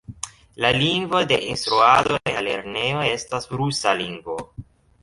La lingvo de instruado en la lernejo estas rusa lingvo.